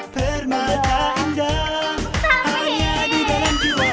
termata indah hanya di dalam jiwa